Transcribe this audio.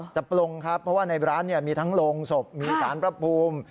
ปลงครับเพราะว่าในร้านมีทั้งโรงศพมีสารพระภูมิ